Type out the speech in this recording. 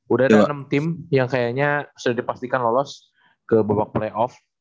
udah ada enam tim yang kayaknya sudah dipastikan lolos ke babak playoff